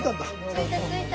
着いた着いた。